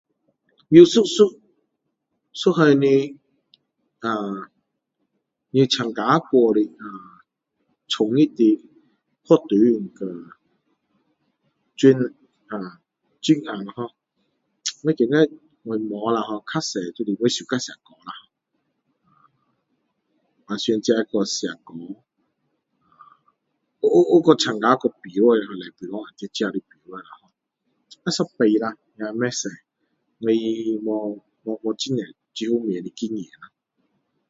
描述一一项你的啊你参加过的啊儿时的活动啊罪罪案ho 我觉得我没有啦ho比较多我喜欢siak go啦ho平常自己会去siak go有有有去参加过的比赛只有一次啦也不多我没有我没有这方面的经验啦